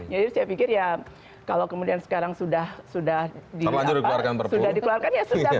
jadi saya pikir ya kalau kemudian sekarang sudah dikeluarkan ya sudah